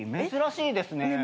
珍しいですね。